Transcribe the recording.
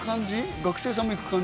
学生さんも行く感じ？